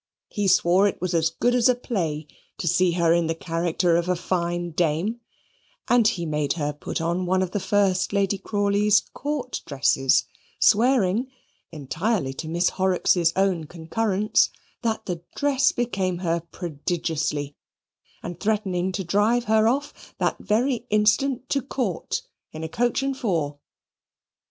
He swore it was as good as a play to see her in the character of a fine dame, and he made her put on one of the first Lady Crawley's court dresses, swearing (entirely to Miss Horrocks' own concurrence) that the dress became her prodigiously, and threatening to drive her off that very instant to Court in a coach and four.